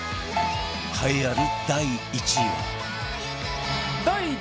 栄えある第１位は